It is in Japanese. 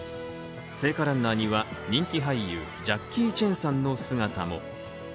聖火ランナーには、人気俳優ジャッキー・チェンさんの姿も。